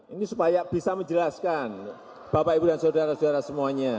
ini supaya bisa menjelaskan bapak ibu dan saudara saudara semuanya